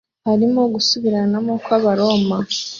Harimo gusubiranamo kw'Abaroma